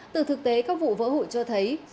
từ thực tế các vụ vỡ hủi cho thấy